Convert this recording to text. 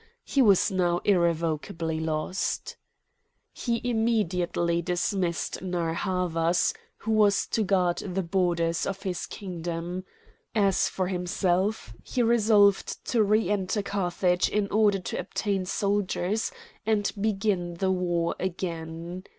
He was now irrevocably lost. He immediately dismissed Narr' Havas, who was to guard the borders of his kingdom. As for himself, he resolved to re enter Carthage in order to obtain soldiers and begin the war again.